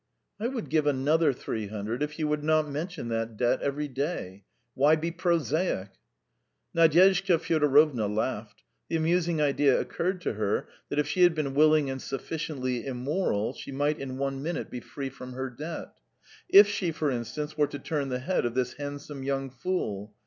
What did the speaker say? "I would give another three hundred if you would not mention that debt every day. Why be prosaic?" Nadyezhda Fyodorovna laughed; the amusing idea occurred to her that if she had been willing and sufficiently immoral she might in one minute be free from her debt. If she, for instance, were to turn the head of this handsome young fool!